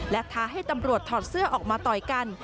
และท้าให้ตำรวจถอดเสื้อออกมาต่อยกัน